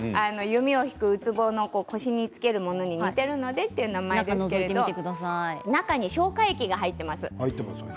弓を引くウツボの腰に付けるものに似ているので名付けられましたけれども中に消化液が入っています。